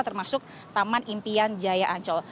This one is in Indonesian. termasuk taman impian jaya ancol